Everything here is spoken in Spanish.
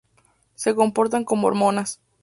Se comportan como hormonas.